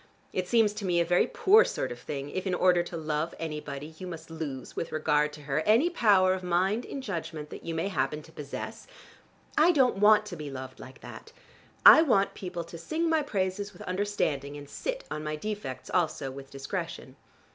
It seems to me a very poor sort of thing if in order to love anybody you must lose, with regard to her, any power of mind and judgment that you may happen to possess. I don't want to be loved like that. I want people to sing my praises with understanding, and sit on my defects also with discretion.